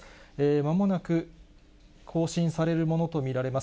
まもなく更新されるものと見られます。